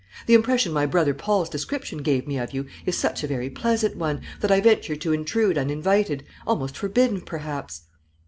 The impression my brother Paul's description gave me of you is such a very pleasant one, that I venture to intrude uninvited, almost forbidden, perhaps."